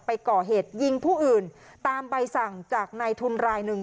ไปก่อเหตุยิงผู้อื่นตามใบสั่งจากนายทุนรายหนึ่ง